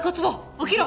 起きろ！